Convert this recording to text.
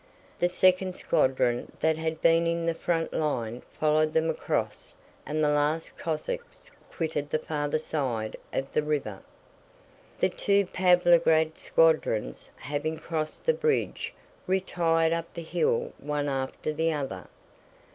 The second squadron that had been in the front line followed them across and the last Cossacks quitted the farther side of the river. The two Pávlograd squadrons, having crossed the bridge, retired up the hill one after the other.